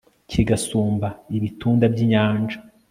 kigasumba ibitunda by'inyanja